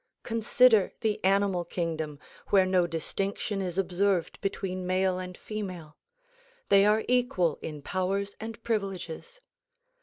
Consider the animal kingdom where no distinction is observed between male and female. They are equal in powers and privileges.